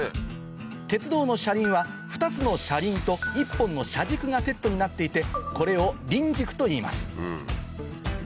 鉄道の車輪は２つの車輪と１本の車軸がセットになっていてこれを輪軸といいます